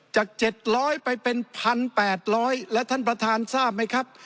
๗๐๐ไปเป็น๑๘๐๐แล้วท่านประธานทราบไหมครับ